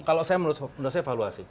kalau saya menurut saya evaluasi